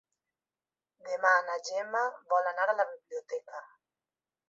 Demà na Gemma vol anar a la biblioteca.